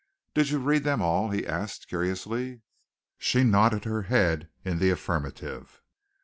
"Did you read them all?" he asked, curiously. She nodded her head in the affirmative.